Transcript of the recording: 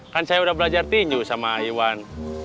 kan saya udah belajar tinju sama iwan